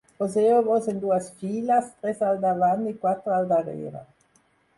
Poseu-vos en dues files, tres al davant i quatre al darrere.